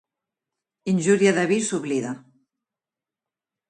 Injúria de vi s'oblida.